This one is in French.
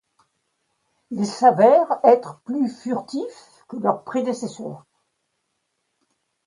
Ils s'avèrent être plus furtifs que leurs prédécesseurs.